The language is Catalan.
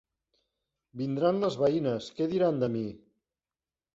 Vindran les veïnes: què diran de mi?